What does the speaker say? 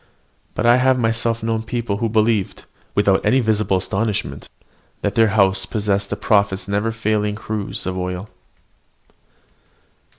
But I have myself known people who believed, without any visible astonishment, that their house possessed the prophet's never failing cruse of oil.